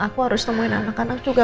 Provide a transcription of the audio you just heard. aku harus temuin anak anak juga